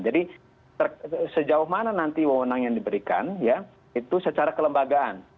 jadi sejauh mana nanti wawonan yang diberikan ya itu secara kelembagaan